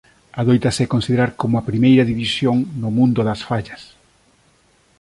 Adóitase considerar como a primeira división no mundo das fallas.